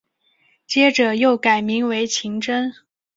接着又改名为晴贞。